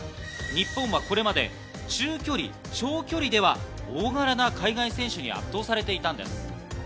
日本はこれまで中距離、長距離では大柄な海外選手に圧倒されていたんです。